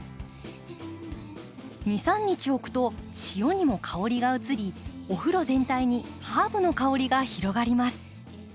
２３日おくと塩にも香りが移りお風呂全体にハーブの香りが広がります。